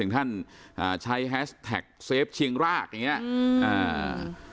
ถึงท่านใช้แฮสแท็กเชฟเชียงรากอย่างนี้